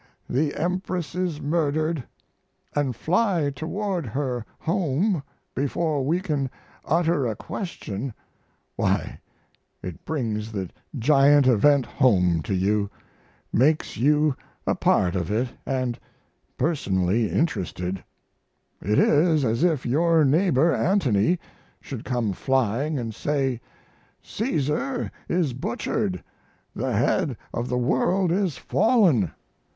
the Empress is murdered," & fly toward her home before we can utter a question why, it brings the giant event home to you, makes you a part of it & personally interested; it is as if your neighbor Antony should come flying & say, "Caesar is butchered the head of the world is fallen!"